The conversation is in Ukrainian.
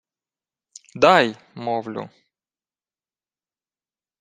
— Дай, мовлю!